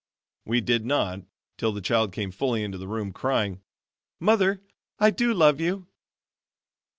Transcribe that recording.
We did not till the child came fully into the room, crying, "Mother, I do love you."